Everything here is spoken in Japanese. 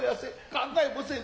考えもせん。